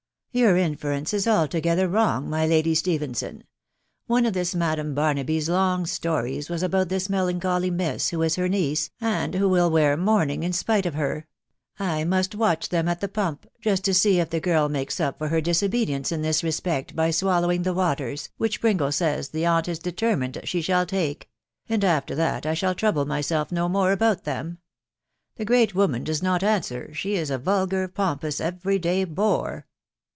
<* Your inference is altogether wrong, my Lady Stephen Jon ;.... one of this Madam Barnaby's long stories was about this melancholy miss, who is her niece, and who will wear mounting in spite of her. ... I mwst <K*fc^ faem «& \fc* THB WUWW BABifAJSY. 311 i pump, just to see if the girl makes up for her disobedience in this respect by swallowing the waters, which Pringle says the aunt is determined she shall take, .... and after that I shall trouble myself no more about them. •.. The great woman does not answer ; she is a vulgar, pompous, every day bore."